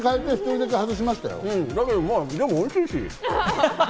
だけど、まあおいしいし。